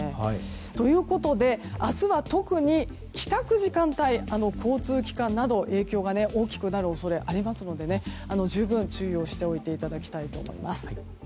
ということで、明日は特に帰宅時間帯交通機関などに影響が大きくなる恐れがありますので十分に注意をしていただきたいと思います。